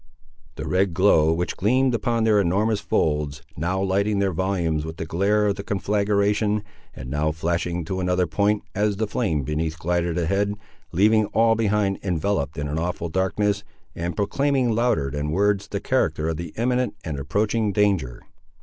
The red glow, which gleamed upon their enormous folds, now lighting their volumes with the glare of the conflagration, and now flashing to another point, as the flame beneath glided ahead, leaving all behind enveloped in awful darkness, and proclaiming louder than words the character of the imminent and approaching danger.